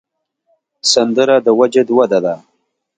سندره د وجد وده ده